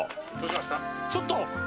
ちょっと。